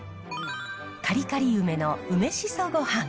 カリカリ梅の梅しそごはん。